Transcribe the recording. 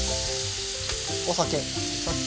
お酒。